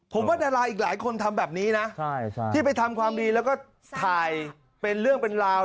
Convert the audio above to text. ผมว่าดาราอีกหลายคนทำแบบนี้นะที่ไปทำความดีแล้วก็ถ่ายเป็นเรื่องเป็นราว